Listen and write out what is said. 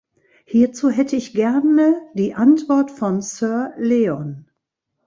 Hierzu hätte ich gerne die Antwort von Sir Leon.